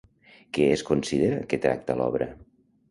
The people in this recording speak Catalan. Què es considera que tracta l'obra?